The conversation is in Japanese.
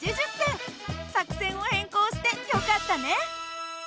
作戦を変更してよかったね。